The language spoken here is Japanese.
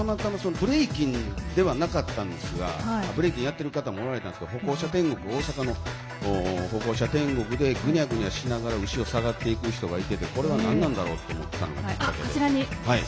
ブレイキンではなかったんですがブレイキンをやっている方もおられたんですが大阪の歩行者天国でぐにゃぐにゃしながら後ろに下がっていく人がいててこれは、なんだろうと思ったのがきっかけで。